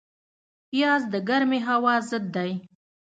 پیاز د ګرمې هوا ضد دی